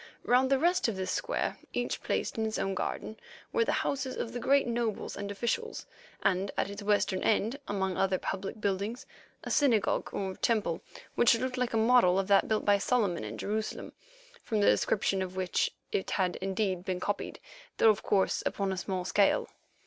Round the rest of this square, each placed in its own garden, were the houses of the great nobles and officials, and at its western end, among other public buildings, a synagogue or temple which looked like a model of that built by Solomon in Jerusalem, from the description of which it had indeed been copied, though, of course, upon a small scale.